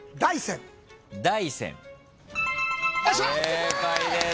正解です。